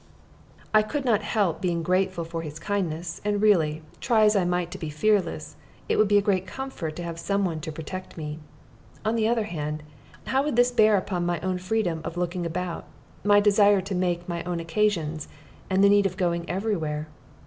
I could not help being grateful for his kindness, and really, try as I might to be fearless, it would be a great comfort to have some one to protect me. On the other hand, how would this bear upon my own freedom of looking about, my desire to make my own occasions, and the need of going every where?